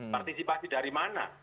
partisipasi dari mana